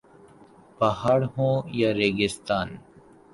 پہاڑ ہوں یا ریگستان